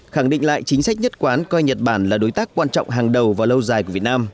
khẳng định lại chính sách nhất quán coi nhật bản là đối tác quan trọng hàng đầu và lâu dài của việt nam